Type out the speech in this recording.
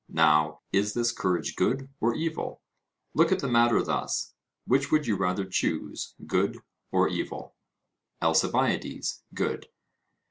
Now is this courage good or evil? Look at the matter thus: which would you rather choose, good or evil? ALCIBIADES: Good.